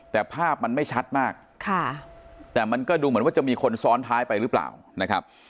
แต่ภาพมันไม่ชัดมากแต่มันก็ดูเหมือนว่าจะมีคนซ้อนท้ายไปหรือเปล่านะครับ